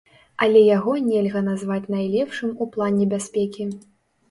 Але яго нельга назваць найлепшым у плане бяспекі.